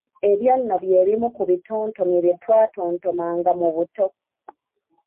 Ebyo nno bye bimu ku bitontome bye twatontomanga mu buto.